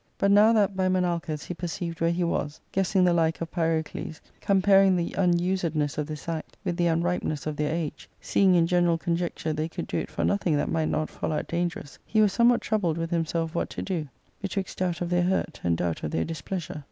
But now that by Menalcas he perceived where he was, guessing the like of Pyrocles, comparing the unusedness of this act with the unripeness of their age, seeing in general conjecture they could do it for nothing that might not fall out dangerous, he was some while troubled with himself what to do, betwixt doubt of their hurt and doubt of their displeasure.